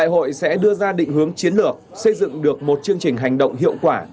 hội sẽ đưa ra định hướng chiến lược xây dựng được một chương trình hành động hiệu quả